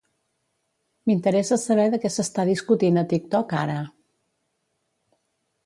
M'interessa saber de què s'està discutint a TikTok ara.